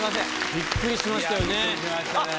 びっくりしましたよね。